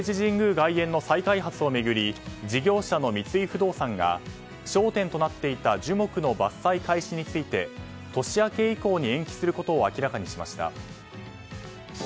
外苑の再開発を巡り事業者の三井不動産が焦点となっていた樹木の伐採開始について年明け以降に延期することを明らかにしました。